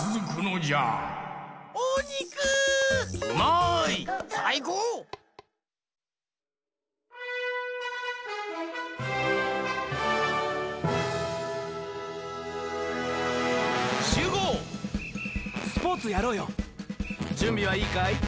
じゅんびはいいかい？